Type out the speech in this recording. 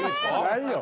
ないよ！